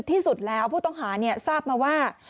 ที่สุดแล้วผู้ต้องหาทราบมาว่า